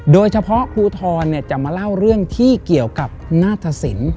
โดยเฉพาะครูทอนจะมาเล่าเรื่องที่เกี่ยวกับนาศสิน